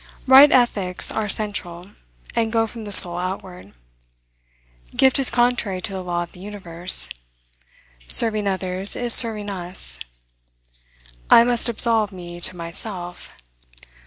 Right ethics are central, and go from the soul outward. Gift is contrary to the law of the universe. Serving others is serving us. I must absolve me to myself.